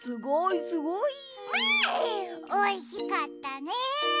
おいしかったね！